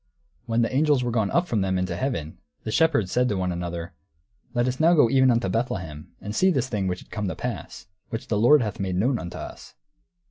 When the angels were gone up from them into heaven, the shepherds said to one another, "Let us now go even unto Bethlehem, and see this thing which is come to pass, which the Lord hath made known unto us."